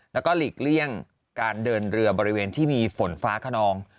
แล้วก็หลีกเลี่ยงการเดินเรือบริเวณที่มีฝนฟ้าขนอง